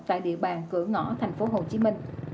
tại địa bàn cửa ngõ tp hcm